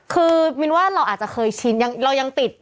คือมินว่าเราอาจจะเคยชินเรายังติด